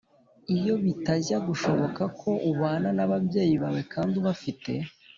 iyo bitajya gushoboka ko ubana n'ababyeyi bawe kandi ubafite,